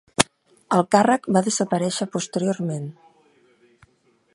El càrrec va desaparèixer posteriorment.